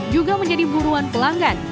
juga menjadi buruan pelanggan